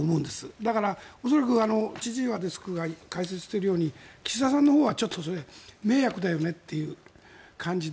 だから恐らく千々岩デスクが解説しているように岸田さんのほうはちょっとそれ迷惑だよねという感じで。